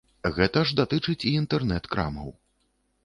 Гэта ж датычыць і інтэрнэт-крамаў.